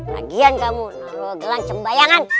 lagian kamu naruh gelang cembayangan